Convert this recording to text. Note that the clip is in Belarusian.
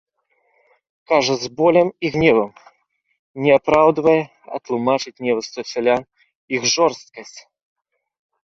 Кажа з болем і гневам, не апраўдвае, а тлумачыць невуцтва сялян, іх жорсткасць.